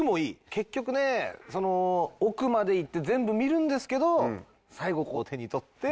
結局ね奥まで行って全部見るんですけど最後こう手に取って。